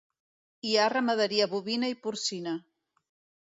Hi ha ramaderia bovina i porcina.